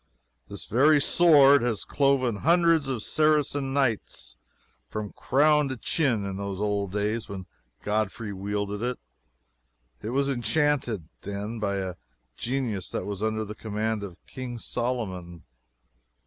This very sword has cloven hundreds of Saracen Knights from crown to chin in those old times when Godfrey wielded it. It was enchanted, then, by a genius that was under the command of King Solomon.